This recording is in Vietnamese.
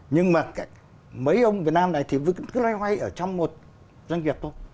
nhưng mà mấy ông việt nam này thì vẫn cứ loay hoay ở trong một doanh nghiệp thôi